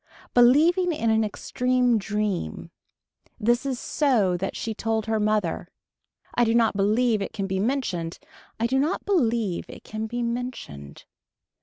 Believing in an extreme dream. This is so that she told her mother. I do not believe it can be mentioned. I do not believe it can be mentioned.